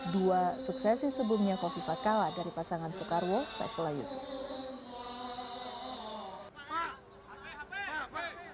dua suksesi sebelumnya kofifa kalah dari pasangan soekarwo saifullah yusuf